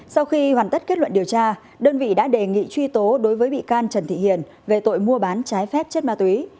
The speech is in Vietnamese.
sau khi hoàn tất kết luận điều tra đơn vị đã đề nghị truy tố đối với bị can trần thị hiền về tội mua bán trái phép chất ma túy